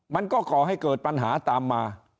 ก่อให้เกิดปัญหาตามมา